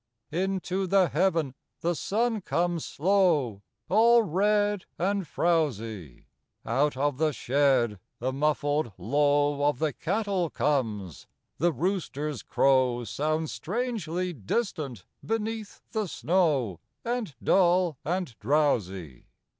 III Into the heav'n the sun comes slow, All red and frowsy: Out of the shed the muffled low Of the cattle comes; the rooster's crow Sounds strangely distant beneath the snow And dull and drowsy.